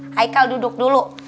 haikal duduk dulu